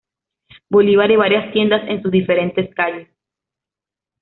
Bolivar y varias tiendas en sus diferentes calles.